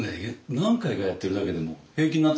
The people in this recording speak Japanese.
何回かやってるだけで平気になってくるんですよね。